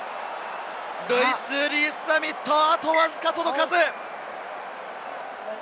ルイス・リース＝ザミット、あとわずか届かず！